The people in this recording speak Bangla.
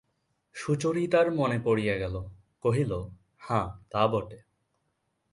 সুচরিতার মনে পড়িয়া গেল, কহিল, হাঁ, তা বটে।